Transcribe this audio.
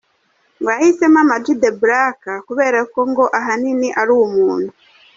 Ngo yahisemo Ama G The Black kubera ko ngo ahanini ari umuntu.